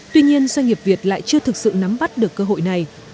tuy nhiên doanh nghiệp việt lại chưa thực sự nắm bắt được cơ hội này